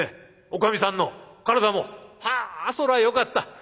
おかみさんの体もはあそらよかった。